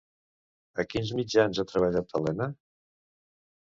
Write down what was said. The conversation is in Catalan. A quins mitjans ha treballat Elena?